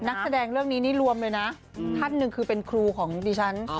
นักแสดงเรื่องนี้นี่รวมเลยนะท่านหนึ่งคือเป็นครูของดิฉัน